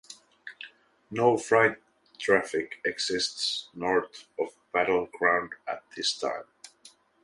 No freight traffic exists north of Battle Ground at this time.